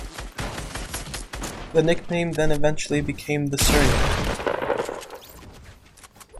The nickname then eventually became the surname.